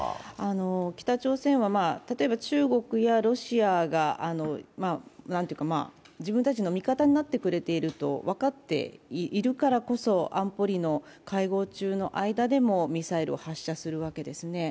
北朝鮮は、例えば中国やロシアが自分たちの味方になってくれていると分かっているからこそ安保理の会合中の間でもミサイルを発射するわけですね。